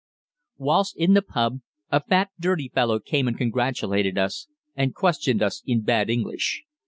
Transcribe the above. Whilst in the pub a fat dirty fellow came and congratulated us, and questioned us in bad English.